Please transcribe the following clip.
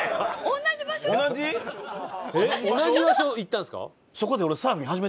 同じ場所行ったんですか？